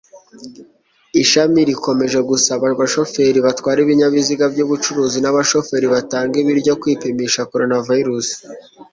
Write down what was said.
Ishami rikomeje gusaba abashoferi batwara ibinyabiziga byubucuruzi n’abashoferi batanga ibiryo kwipimisha coronavirus.